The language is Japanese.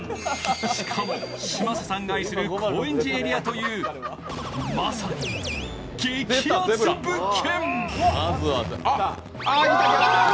しかも、嶋佐さんが愛する高円寺エリアというまさに激熱物件！